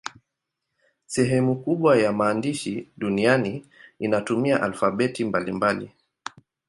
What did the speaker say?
Sehemu kubwa ya maandishi duniani inatumia alfabeti mbalimbali.